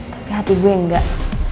tapi hati gue enggak